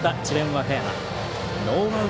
和歌山。